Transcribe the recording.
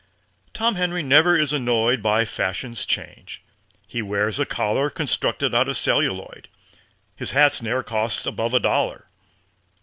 Tom Henry never is annoyed By fashion's change. He wears a collar Constructed out of celluloid. His hats ne'er cost above a dollar.